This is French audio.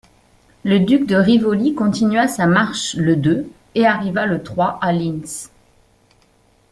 Le duc de Rivoli continua sa marche le deux, et arriva le trois à Lintz.